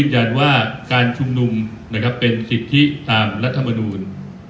จะจัดการชุมนุมเป็นสิทธิตามรัฐมนุม